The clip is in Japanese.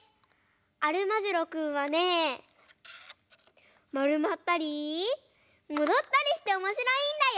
アルマジロくんはねまるまったりもどったりしておもしろいんだよ！